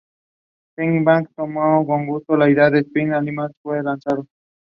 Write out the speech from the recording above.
She also worked to change consumer habits surrounding coffee drinking and environmentalism in general.